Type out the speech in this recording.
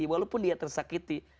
walaupun dia tersakiti